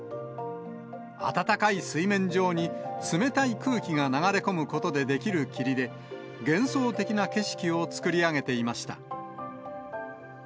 暖かい水面上に冷たい空気が流れ込むことで出来る霧で、幻想的な景色を作り上げていました。